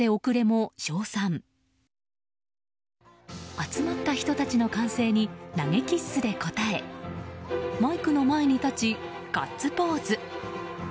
集まった人たちの歓声に投げキッスで応えマイクの前に立ち、ガッツポーズ。